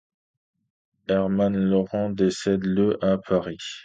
Hermann Laurent décède le à Paris.